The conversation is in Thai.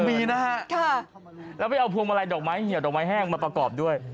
มีนะฮะแล้วไปเอาพวงมาลัยดอกไม้เหี่ยวดอกไม้แห้งมาประกอบด้วย